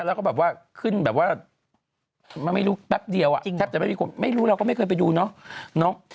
แล้วก็แบบว่าขึ้นแบบว่ามันไม่รู้แป๊บเดียวอ่ะแทบจะไม่มีคนไม่รู้เราก็ไม่เคยไปดูเนาะ